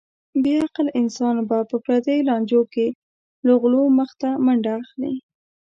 بې عقل انسان به په پردیو لانجو کې له غولو مخته منډه اخلي.